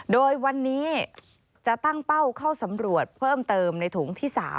โดยวันนี้จะตั้งเป้าเข้าสำรวจเพิ่มเติมในถุงที่๓